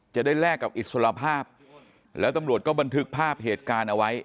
แลกกับอิสระภาพแล้วตำรวจก็บันทึกภาพเหตุการณ์เอาไว้